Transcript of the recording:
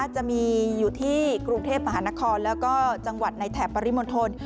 จะมีอยู่ที่กรุงเทพมหานครแล้วก็จังหวัดในแถบปริมณฑล